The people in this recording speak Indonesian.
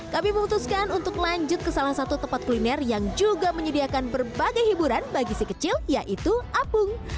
kami memutuskan untuk lanjut ke salah satu tempat kuliner yang juga menyediakan berbagai hiburan bagi si kecil yaitu apung